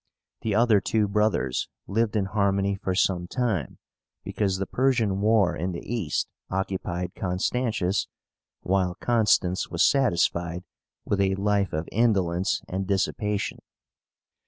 The other two brothers lived in harmony for some time, because the Persian war in the East occupied Constantius, while Constans was satisfied with a life of indolence and dissipation.